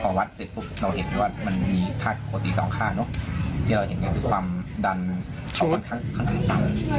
พอวัดเสร็จปุ๊บเราเห็นว่ามันมีค่าปกติสองค่าที่เราเห็นความดันค่อนข้างต่ำ